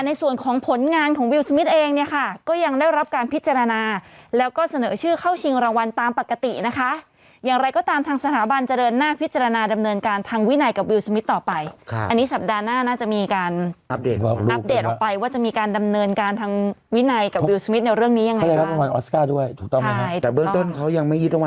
เหมือนเป็นไซส์มาตรฐานที่แบบเอาล่ะสั่งวันนี้พรุ่งนี้ใช้มาส่งได้เลยเพราะปริ้นต์อย่างเร็ว